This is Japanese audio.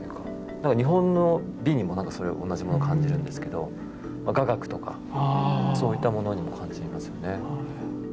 何か日本の美にもそれ同じものを感じるんですけど雅楽とかそういったものにも感じれますよね。